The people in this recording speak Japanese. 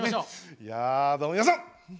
いやどうも皆さん！